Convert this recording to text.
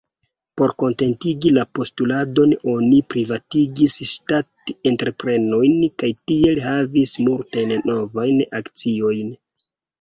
Por kontentigi la postuladon oni privatigis ŝtat-entreprenojn kaj tiel havis multajn novajn akciojn.